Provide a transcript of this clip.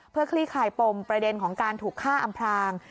เพื่อคลี่คลายปมประเด็นของการถูกฆ่าอำพราง